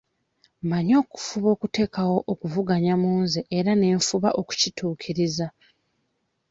Mmanyi okufuba okuteekawo okuvuganya mu nze era ne nfuba okukituukiriza.